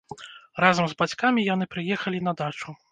Разам з бацькамі яны прыехалі на дачу.